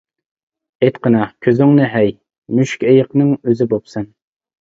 -ئېيتقىنا، كۆزۈڭنى ھەي، مۈشۈكئېيىقنىڭ ئۆزى بوپسەن.